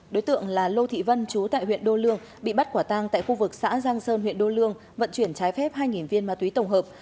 đối tượng là lô thị vân chú tại huyện đô lương bị bắt quả tang tại khu vực xã giang sơn huyện đô lương vận chuyển trái phép hai viên ma túy tổng hợp